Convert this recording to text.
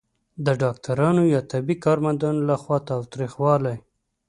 د ډاکټرانو یا طبي کارمندانو لخوا تاوتریخوالی